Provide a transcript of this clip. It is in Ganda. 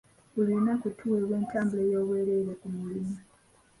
Buli lunaku tuweebwa entambula ey'obwereere ku mulimu.